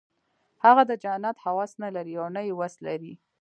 هغه د جنت هوس نه لري او نه یې وس لري